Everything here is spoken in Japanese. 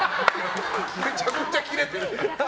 めちゃくちゃキレてる。